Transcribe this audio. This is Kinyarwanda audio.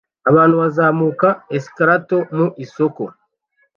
Abantu bazamuka escalator mu isoko